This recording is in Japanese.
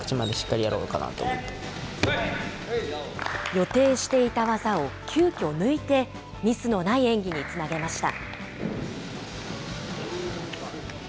予定していた技を急きょ抜いて、ミスのない演技につなげました。